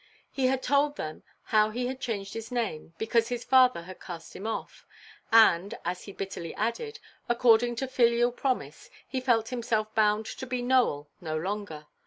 He told them how he had changed his name, because his father had cast him off; and (as he bitterly added), according to filial promise, he felt himself bound to be Nowell no longer.